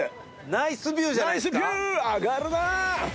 ナイスビューじゃないっすか。